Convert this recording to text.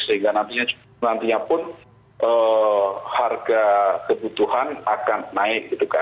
sehingga nantinya pun harga kebutuhan akan naik